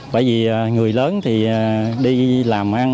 bởi vì người lớn thì tăng về số trẻ em nhiễm bệnh